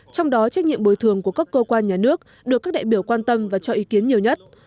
trong đó trách nhiệm bồi thường của các cơ quan nhà nước được các đại biểu quan tâm và cho ý kiến nhiều nhất